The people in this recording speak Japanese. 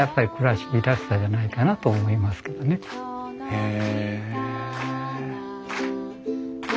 へえ。